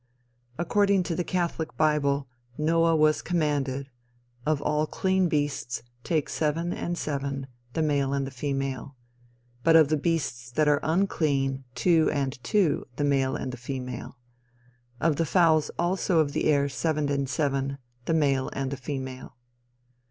According to the Catholic bible, Noah was commanded "Of all clean beasts take seven and seven, the male and the female. But of the beasts that are unclean two and two, the male and the female. Of the fowls also of the air seven and seven, the male and the female."